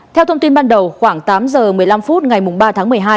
theo thông tin ban đầu khoảng tám giờ một mươi năm phút ngày ba tháng một mươi hai